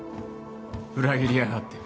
裏切りやがって